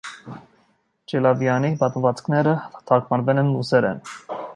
Ջիլավյանի պատմվածքները թարգմանվել են ռուսերեն։